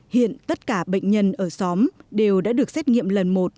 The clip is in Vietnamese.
hiện tất cả bệnh nhân ở xóm đều đã được xét nghiệm lần một